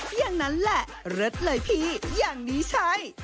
อย่างนั้นแหละเลิศเลยพี่อย่างนี้ใช่